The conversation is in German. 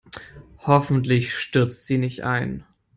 Hoffentlich stürzt sie nicht ein.